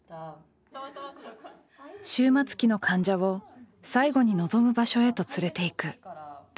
終末期の患者を最後に望む場所へと連れて行く「ラストドライブ」。